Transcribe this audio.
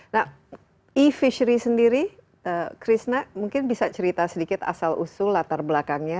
nah e fishery sendiri krishna mungkin bisa cerita sedikit asal usul latar belakangnya